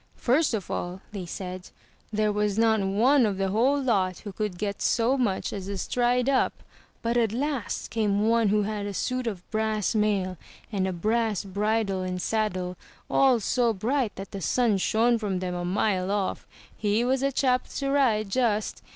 *Tirst of all,'* they said, ''there was not one of the whole lot who could get so much as a stride up; but at last came one who had a suit of brass mail, and a brass bridle and saddle, all so bright that the sun shone from them a mile off. He was a chap to ride, just!